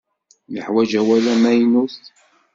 Neḥwaǧ awal amaynut?